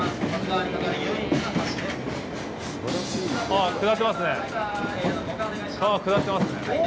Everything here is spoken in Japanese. ああ、下ってますね。